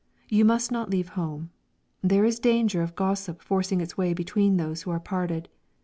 You must not leave home. There is danger of gossip forcing its way between those who are parted.